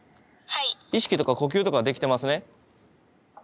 意識とか呼吸とかはできてますね？